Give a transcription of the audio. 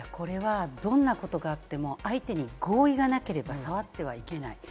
どんなことがあっても相手に合意がなければ触ってはいけない。